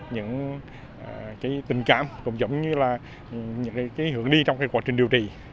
những tình cảm cũng giống như là những hướng đi trong quá trình điều trị